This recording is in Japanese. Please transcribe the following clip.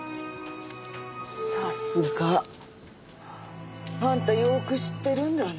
さすが。あんたよく知ってるんだね。